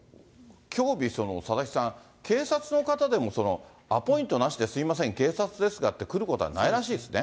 佐々木さん、警察の方でもアポイントなしですみません、警察ですがって来ることはないらしいですね。